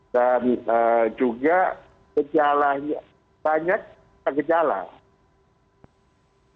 dan juga kejalahan banyak kejalahan